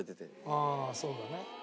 ああそうだね。